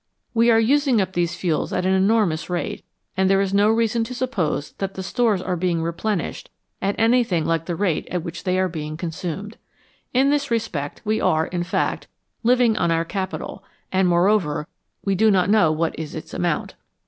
We are using up these fuels at an enormous rate, and there is no reason to suppose that the stores are being replenished at anything like the rate at which they are being consumed. In this respect we are, in fact, living on our capital, and, moreover, we do not know what is its amount.